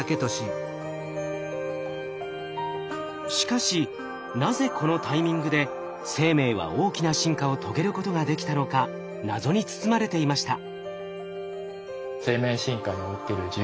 しかしなぜこのタイミングで生命は大きな進化を遂げることができたのか謎に包まれていました。